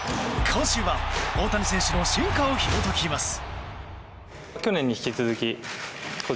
今週は大谷選手の進化をひも解きます。